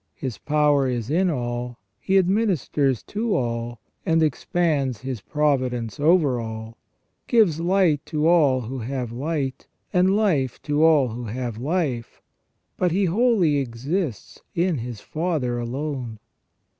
His power is in all, He administers to all, and ex pands His providence over all, gives light to all who have light, and life to all who have life ; but He wholly exists in His Father alone.